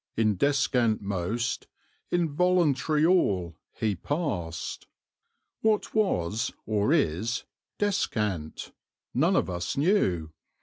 "In descant most, in voluntary all, he past." What was, or is, "descant"? None of us knew.